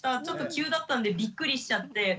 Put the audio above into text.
ちょっと急だったんでびっくりしちゃって。